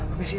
ambil sih ya